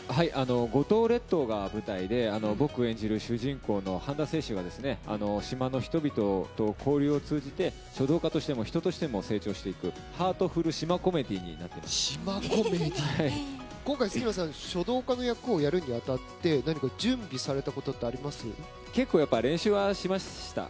五島列島が舞台で僕、演じる主人公の半田清舟が島の人々と交流を通じて書道家としても、人としても成長していくハートフル島コメディーに今回書道家の役をやるに当たって何か練習はしました。